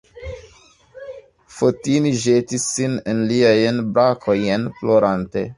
Fotini ĵetis sin en liajn brakojn plorante.